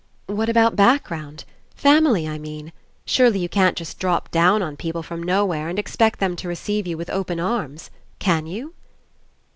"What about background? Family, I mean. Surely you can't just drop down on peo ple from nowhere and expect them to receive you with open arms, can you?"